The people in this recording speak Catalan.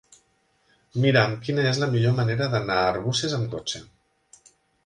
Mira'm quina és la millor manera d'anar a Arbúcies amb cotxe.